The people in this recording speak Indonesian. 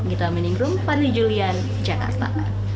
gita meningrum fani julian jakarta